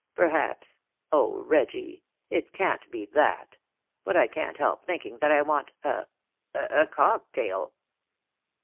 Perhaps oh, Reggie, it can't be that! but I can't help thinking that I want a a cocktail."